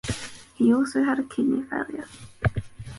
He also had kidney failure.